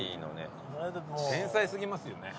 天才過ぎますよね。